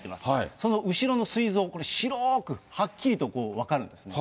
その後ろのすい臓、これ、白くはっきりと、分かるんですね。